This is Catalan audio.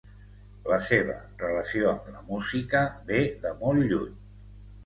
La seva relació amb la música ve de molt lluny.